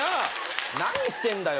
⁉何してんだよ？